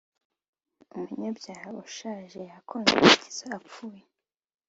umunyabyaha ushaje yakonje kugeza apfuye